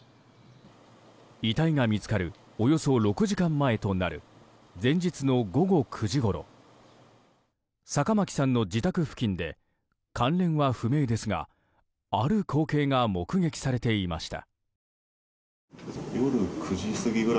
遺体が見つかるおよそ６時間前となる前日の午後９時ごろ坂巻さんの自宅付近で関連は不明ですがある光景が目撃されていました。